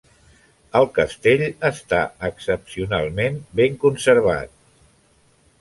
El castell és excepcionalment ben conservat.